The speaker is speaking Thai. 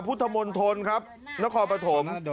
พุทธมณฑลครับนครปฐม